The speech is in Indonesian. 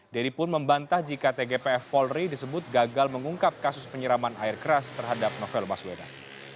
dedy pun membantah jika tgpf polri disebut gagal mengungkap kasus penyiraman air keras terhadap novel baswedan